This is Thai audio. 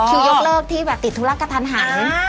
คิวยกเลิกที่ติดธุรกับทันหัน